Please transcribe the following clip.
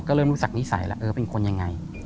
เริ่มรู้จักนิสัยแล้วเออเป็นคนยังไง